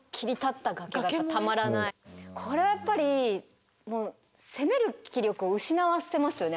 これはやっぱりもう攻める気力を失わせますよね